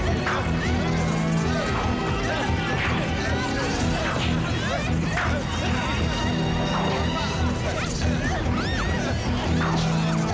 benang bintang ini cuma mati listrik doang kok